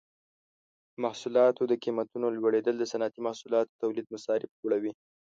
د محصولاتو د قیمتونو لوړیدل د صنعتي محصولاتو تولید مصارف لوړوي.